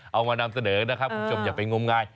เอามานำเสนอนะครับคุณผู้ชมอย่าไปงมงาย